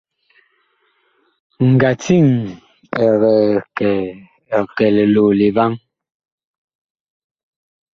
Ngatiŋ ɛg kɛ liloole vaŋ.